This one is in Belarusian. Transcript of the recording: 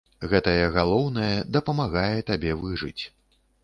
Гэтае галоўнае дапамагае табе выжыць.